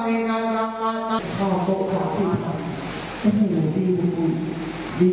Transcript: มีเขามาโปรกต่อเตรียมก๊อฟไฟฟ้าพี่พรของเดียวดีไปดีดี